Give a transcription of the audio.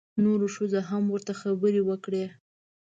نورو ښځو هم ورته خبرې وکړې.